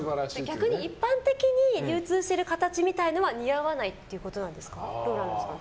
逆に一般的に流通している形みたいなのは似合わないってことなんですか？